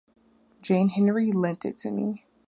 Jane Henry lent it to me.